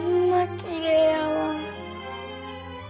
きれいやわ。